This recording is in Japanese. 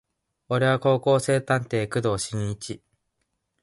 俺は高校生探偵工藤新一